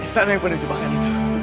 di sana yang penuh jebakan itu